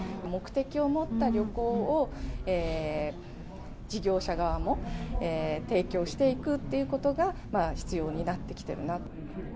目的を持った旅行を、事業者側も提供していくということが必要になってきてるなと。